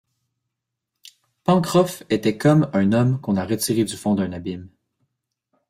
Pencroff était comme un homme qu’on a retiré du fond d’un abîme.